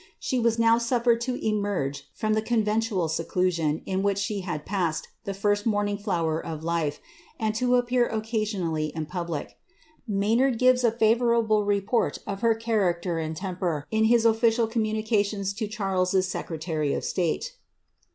She wm now suflored to emerge from the conventual seclusion in which she bid passed the first morning flower of life, and to appear occasionallj in public. Maynard gives a favourable report of her character and temper in his official communications to Charles's secretary of state.